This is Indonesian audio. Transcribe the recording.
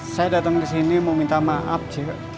saya datang kesini mau minta maaf cik